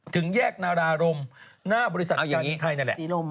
ถึงแยกนารารมหน้าบริษัทการบินไทยนั่นแหละ